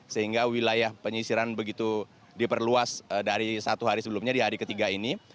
sehingga wilayah penyisiran begitu diperluas dari satu hari sebelumnya di hari ketiga ini